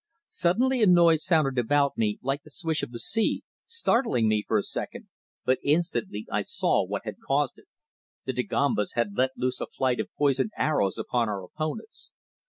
Suddenly a noise sounded about me like the swish of the sea, startling me for a second, but instantly I saw what had caused it. The Dagombas had let loose a flight of poisoned arrows upon our opponents.